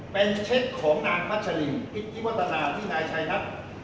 เป็นเช็คของนางพระเจริญพิธิวตนาที่นายใช้นะ